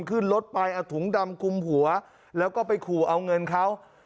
ขึ้นรถไปเอาถุงดำคุมหัวแล้วก็ไปขู่เอาเงินเขา